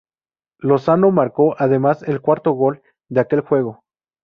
Lozano marcó, además, el cuarto gol de aquel juego.